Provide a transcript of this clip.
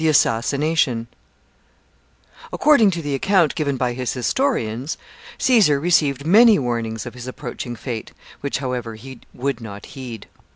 ] According to the account given by his historians, Caesar received many warnings of his approaching fate, which, however, he would not heed.